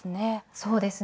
そうですね